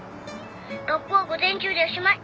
☎学校は午前中でおしまい。